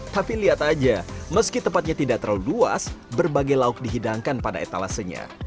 tapi lihat aja meski tempatnya tidak terlalu luas berbagai lauk dihidangkan pada etalasenya